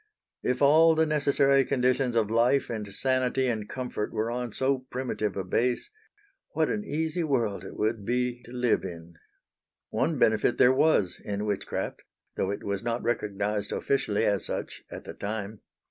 If all the necessary conditions of life and sanity and comfort were on so primitive a base, what an easy world it would be to live in! One benefit there was in witchcraft, though it was not recognised officially as such at the time.